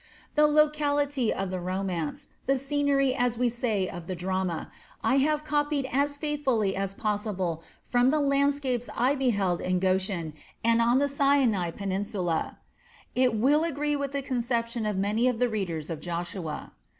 The locality of the romance, the scenery as we say of the drama, I have copied as faithfully as possible from the landscapes I beheld in Goshen and on the Sinai peninsula. It will agree with the conception of many of the readers of "Joshua."